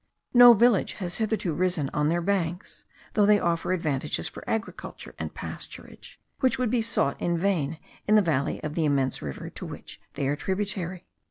No village has hitherto risen on their banks, though they offer advantages for agriculture and pasturage, which would be sought in vain in the valley of the immense river to which they are tributary.